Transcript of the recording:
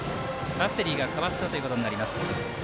バッテリーが変わったということになります。